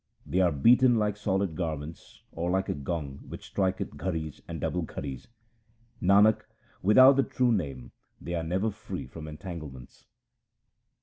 They are beaten like soiled garments or like a gong which striketh gharis and double gharis. Nanak, without the true Name they are never free from entanglements.